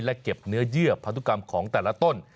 และเก็บเนื้อเยื่อพันธุกรรมของแต่ละต้น